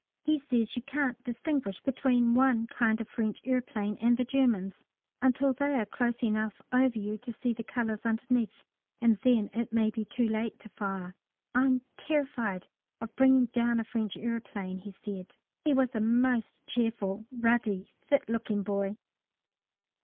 He says you can't distinguish between one kind of French aeroplane and the Germans until they are close enough over you to see the colours underneath, and then it may be too late to fire. "I'm terrified of bringing down a French aeroplane," he said. He was a most cheerful, ruddy, fit looking boy.